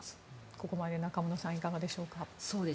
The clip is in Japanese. ここまで中室さんいかがでしょうか。